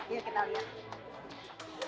biar kita lihat